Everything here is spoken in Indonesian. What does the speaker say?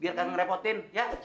biar kagak ngerepotin ya